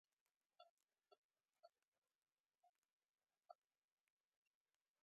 Ah, ada salju!